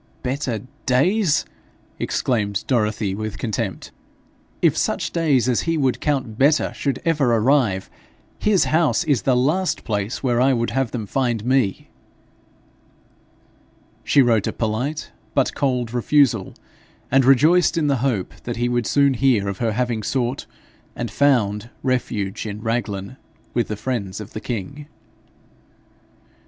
'Better days!' exclaimed Dorothy with contempt. 'If such days as he would count better should ever arrive, his house is the last place where I would have them find me!' She wrote a polite but cold refusal, and rejoiced in the hope that he would soon hear of her having sought and found refuge in Raglan with the friends of the king.